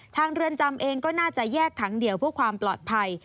เรือนจำเองก็น่าจะแยกขังเดียวเพื่อความปลอดภัย